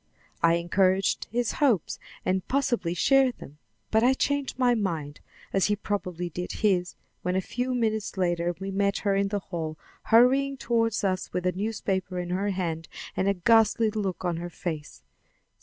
I encouraged his hopes, and possibly shared them; but I changed my mind, as he probably did his, when a few minutes later we met her in the hall hurrying toward us with a newspaper in her hand and a ghastly look on her face.